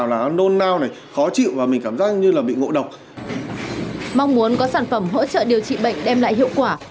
mong muốn có sản phẩm hỗ trợ điều trị bệnh đem lại hiệu quả